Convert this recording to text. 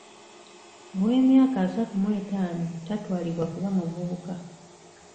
Ow'emyaka asatu mu etaano tatwalibwa kuba muvubuka.